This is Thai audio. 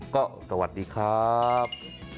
ก็สวัสดีครับ